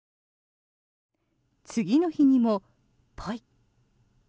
次の日にも、ポイ。